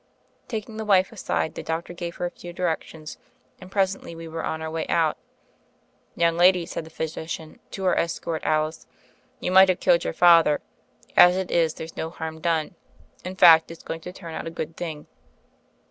Taking the wife aside, the doctor gave her a few directions, and presently we were on our way out. "Young lady," said the physician to our es THE FAIRY OF THE SNOWS 87 cort, Alice, "y^u might have killed your father. As it is, there's no harm done. In fact, it's go ing to turn out a good thing."